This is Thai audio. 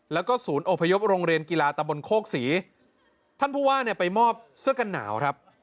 แล้วก็ศูนย์อพยพโรงเรียนกีฬาตะบนโคกศรีท่านผู้ว่าเนี่ยไปมอบเสื้อกันหนาวครับ